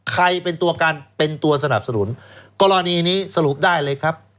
ใครเป็นตัวการเป็นตัวสนับสนุนกรณีนี้สรุปได้เลยครับ